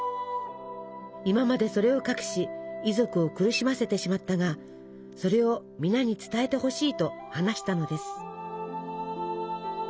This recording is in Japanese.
今までそれを隠し遺族を苦しませてしまったがそれを皆に伝えてほしいと話したのです。